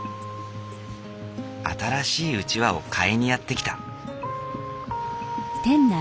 新しいうちわを買いにやって来た。